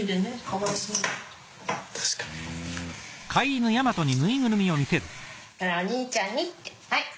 ほらお兄ちゃんにってはい。